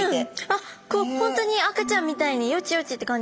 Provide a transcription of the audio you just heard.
あっ本当に赤ちゃんみたいによちよちって感じですね。